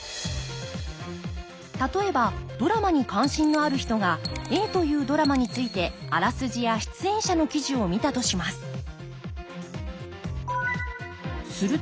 例えばドラマに関心のある人がＡというドラマについてあらすじや出演者の記事を見たとします。